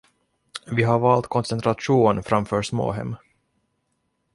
Vi har valt koncentration framför småhem.